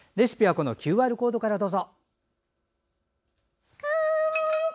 レシピはＱＲコードからどうぞ。